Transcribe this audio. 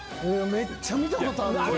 めっちゃ見たことある。